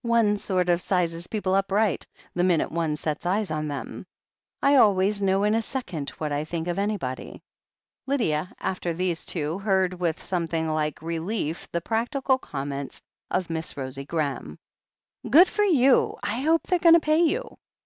One sort of sizes people up right, the minute one sets eyes on them. I always know in a second what I think of anybody." Lydia, after these two, heard with something like relief the practical comments of Miss Rosie Graham. 'Good for you ! I hope they're going to pay you."